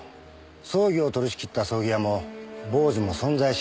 葬儀を取り仕切った葬儀屋も坊主も存在しません。